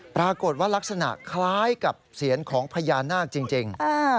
ปรากฏว่ารักษณะคล้ายกับเสียนของพญานาคจริง